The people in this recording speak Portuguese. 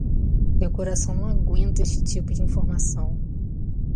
Meu coração não aguenta este tipo de informação.